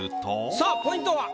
さあポイントは？